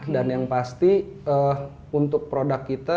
yang pasti untuk produk kita